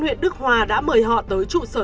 huyện đức hòa đã mời họ tới trụ sở